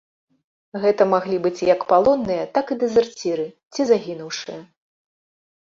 Гэта маглі быць як палонныя, так і дэзерціры ці загінуўшыя.